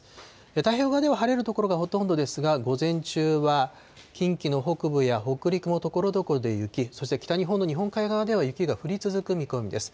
太平洋側では晴れる所がほとんどですが、午前中は近畿の北部や北陸もところどころで雪、そして北日本の日本海側では、雪が降り続く見込みです。